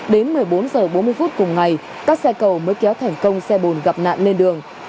đến một mươi bốn h bốn mươi phút cùng ngày các xe cầu mới kéo thành công xe bồn gặp nạn lên đường